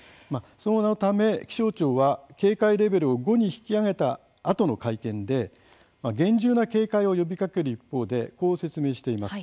そのため気象庁は警戒レベルを５に引き上げたあとの会見で厳重な警戒を呼びかける一方でこう説明しています。